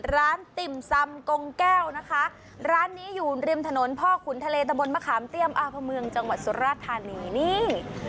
ติ่มซำกงแก้วนะคะร้านนี้อยู่ริมถนนพ่อขุนทะเลตะบนมะขามเตี้ยมเมืองจังหวัดสุราธานีนี่